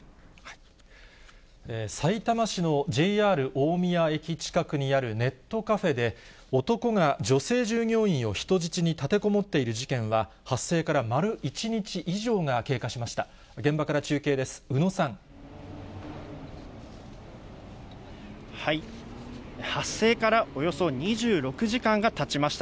さいたま市のＪＲ大宮駅近くにあるネットカフェで、男が女性従業員を人質に立てこもっている事件は、発生から丸１日以上が経過しました。